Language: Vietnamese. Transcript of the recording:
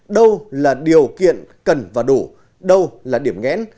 đâu là điều kiện cần và đủ đâu là điểm nghẽn